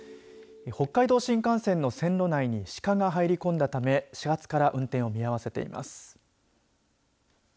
北海道新幹線の線路内にシカが入り込んだため始発から運転を見合わせています。